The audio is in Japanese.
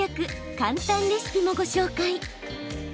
簡単レシピもご紹介。